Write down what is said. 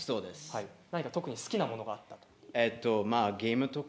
特に好きなものがあったとか？